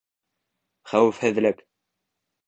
Хәүефһеҙлек